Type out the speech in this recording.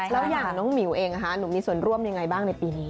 แล้วอย่างน้องหมิวเองหนูมีส่วนร่วมยังไงบ้างในปีนี้